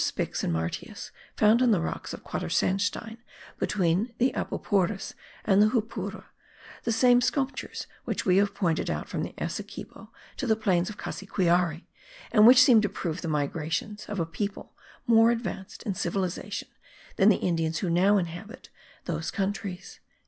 Spix and Martius found on rocks of quadersandstein, between the Apoporis and the Japura, the same sculptures which we have pointed out from the Essequibo to the plains of Cassiquiare, and which seem to prove the migrations of a people more advanced in civilization than the Indians who now inhabit those countries.)